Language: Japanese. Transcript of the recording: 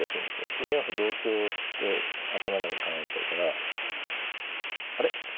９四歩同香って頭の中で考えちゃうからあれ？